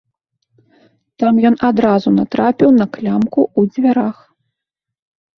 Там ён адразу натрапіў на клямку ў дзвярах.